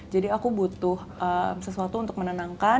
jadi aku butuh sesuatu untuk menenangkan